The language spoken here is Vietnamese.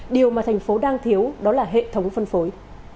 điều mà tp hcm đang thiếu đó là hệ thống phân phối